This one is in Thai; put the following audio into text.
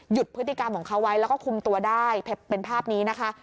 พฤติกรรมของเขาไว้แล้วก็คุมตัวได้เป็นภาพนี้นะคะ